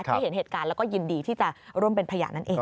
ที่เห็นเหตุการณ์แล้วก็ยินดีที่จะร่วมเป็นพยานนั่นเอง